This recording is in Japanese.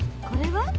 これは？